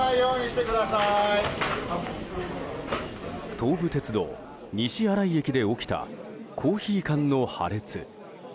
東武鉄道西新井駅で起きたコーヒー缶の破裂。